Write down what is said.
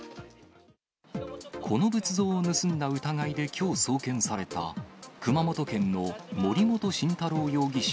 この仏像を盗んだ疑いできょう送検された熊本県の森本晋太郎容疑者